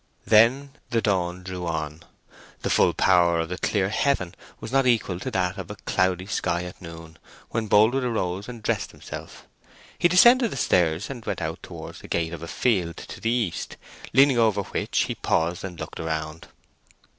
Then the dawn drew on. The full power of the clear heaven was not equal to that of a cloudy sky at noon, when Boldwood arose and dressed himself. He descended the stairs and went out towards the gate of a field to the east, leaning over which he paused and looked around.